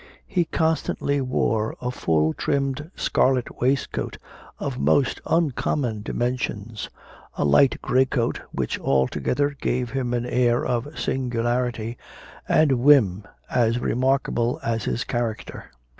He constantly wore a full trimmed scarlet waistcoat of most uncommon dimensions, a light grey coat, which altogether gave him an air of singularity and whim as remarkable as his character.